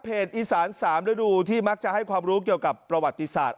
อีสาน๓ฤดูที่มักจะให้ความรู้เกี่ยวกับประวัติศาสตร์